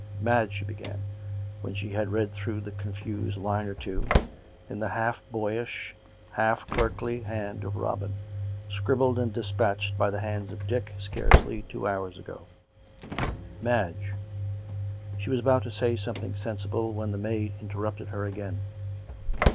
" Madge," she began, when she had read through the confused line or two, in the half boyish, half clerkly hand of Robin, scribbled and dispatched by the hands of Dick scarcely two hours ago. " Madge " She was about to say something sensible when the maid interrupted her again.